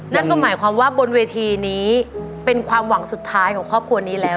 นั่นก็หมายความว่าบนเวทีนี้เป็นความหวังสุดท้ายของครอบครัวนี้แล้ว